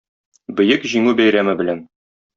Бөек Җиңү бәйрәме белән!